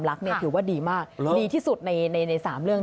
เหมือนมีเพิ่มเข้ามาอีกมากนั้นเหรอ